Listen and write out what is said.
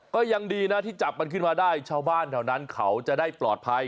ก็ยังดีนะที่จับมันขึ้นมาได้ชาวบ้านแถวนั้นเขาจะได้ปลอดภัย